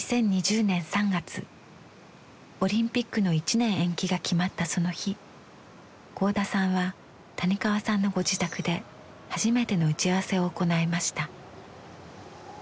オリンピックの１年延期が決まったその日合田さんは谷川さんのご自宅で初めての打ち合わせを行いました。